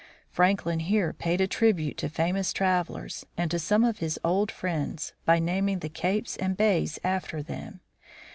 Franklin here paid a tribute to famous travelers, and to some of his old friends, by naming the capes and bays after them.